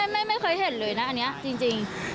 ไม่เคยเห็นเลยนะอันนี้จริง